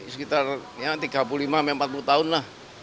sekitar tiga puluh lima empat puluh tahun lah